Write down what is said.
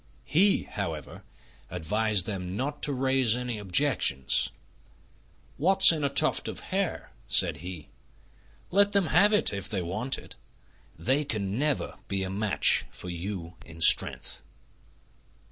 He, however, advised them not to raise any objections. "What's in a tuft of hair?" said he. "Let them have it if they want it. They can never be a match for you in strength."